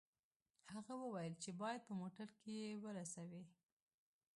هغه وویل چې باید په موټر کې یې ورسوي